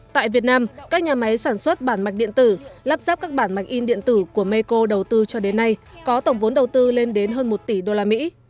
tại việt nam các nhà máy sản xuất bản mạch điện tử lắp ráp các bản mạch in điện tử của meko đầu tư cho đến nay có tổng vốn đầu tư lên đến hơn một tỷ đô la mỹ